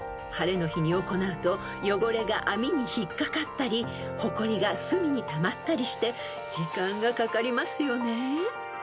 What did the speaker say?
晴れの日に行うと汚れが網に引っ掛かったりほこりが隅にたまったりして時間がかかりますよね］